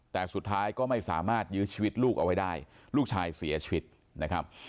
แต่สุดท้ายก็ไม่สามารถยื้อชีวิตลูกเอาไว้ได้ลูกชายเสียชีวิตนะครับ